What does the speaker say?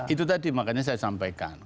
itu tadi makanya saya sampaikan